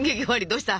どうした？